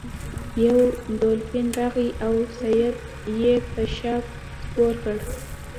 یو دولفین راغی او سید یې په شا سپور کړ.